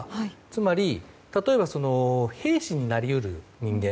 つまり、例えば兵士になり得る人間。